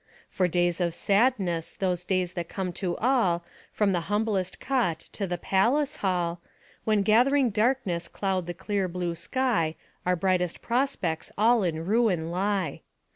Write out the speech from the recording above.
For days of sadness, those days that come to all, From the humblest cot to the palace hall, When gathering darkness cloud the clear, blue sky, Our brightest prospects all in ruin lie.